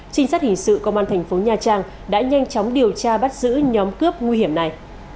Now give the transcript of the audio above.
trinh sát hình sự công an thành phố nha trang đã nhanh chóng điều tra bắt giữ nhóm cướp nguy hiểm này